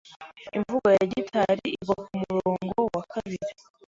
Imvugo ya "gitari" igwa kumurongo wa kabiri.